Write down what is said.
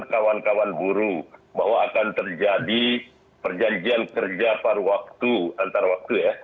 kawan kawan buru bahwa akan terjadi perjanjian kerja perwaktu antarwaktu